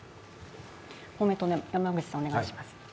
公明党の山口さん、お願いします。